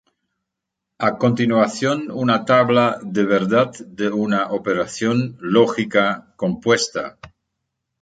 A continuación una tabla de verdad de una operación lógica compuesta.